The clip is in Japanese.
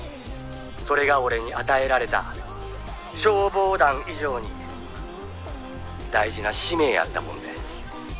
「それが俺に与えられた消防団以上に大事な使命やったもんで」